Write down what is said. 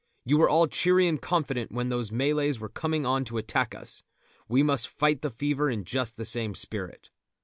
You were all cheery and confident when those Malays were coming on to attack us; we must fight the fever in just the same spirit."